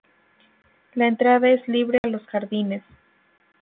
La entrada es libre a los jardines.